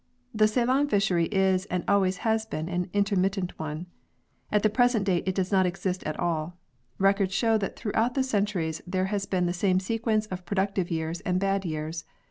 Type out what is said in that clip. The Ceylon fishery is and always has been an inter mittent one. At the present date it does not exist at all. Records show that throughout the centuries there has been the same sequence of productive years and bad years.